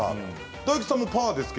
大吉さんもパーですね。